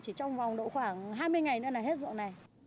trong vòng độ khoảng hai mươi ngày nữa là hết dọn này